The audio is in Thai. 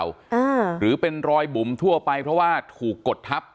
อ่าหรือเป็นรอยบุ๋มทั่วไปเพราะว่าถูกกดทับ